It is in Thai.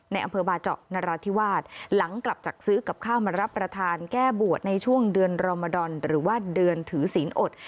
ในอำเภอบาเจาะนราธิวาสหลังกลับจากซื้อกับข้าวมารับประทานแก้บวชในช่วงเดือนรอมดอนหรือว่าเดือนถือศีลอด